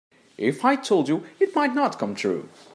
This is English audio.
If I told you it might not come true.